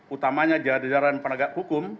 utamanya jadwajaran penegak hukum